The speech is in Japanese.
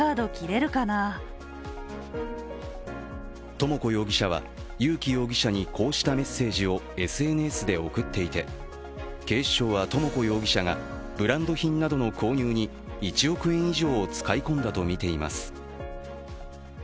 智子容疑者は友紀容疑者にこうしたメッセージをＳＮＳで送っていて警視庁は智子容疑者がフランド品などの購入に１億円以上を使い込んだとみています。